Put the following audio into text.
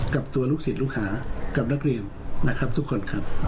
กับตัวลูกศิษย์ลูกหากับนักเรียนนะครับทุกคนครับ